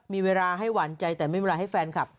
มีเวลาให้หวานใจแต่ไม่มีเวลาให้แฟนคลับ